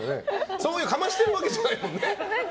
そういうかましてるわけじゃないもんね。